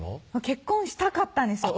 結婚したかったんですよ